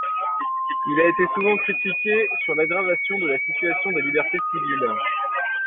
Il a été souvent critiqué sur l'aggravation de la situation des libertés civiles.